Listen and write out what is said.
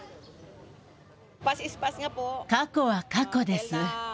過去は過去です。